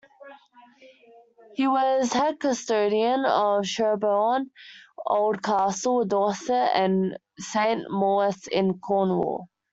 He was Head Custodian of Sherborne Old Castle, Dorset and Saint Mawes in Cornwall.